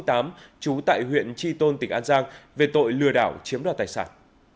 trú tại huyện tri tôn tỉnh an giang về tội lừa đảo chiếm đoạt tài sản